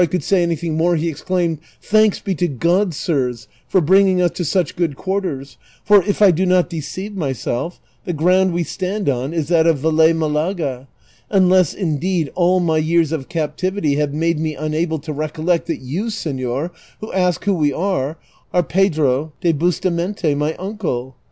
could say anything moi'e he exdaimed, " Thanks be to God, sms, for bringing ns to such good quarters ; for, if I do not deceive myself, the ground we stand on is that of Velez ]Malaga ;^ unless, indeed, all my years of captivity have made me unable to recollect that you, seiior, who ask who we are, are Pedro de ikistamente, my uncle."